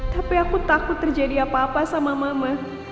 tapi aku takut terjadi apa apa sama mama